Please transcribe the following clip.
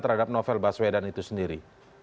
terhadap novel baswedan itu sendiri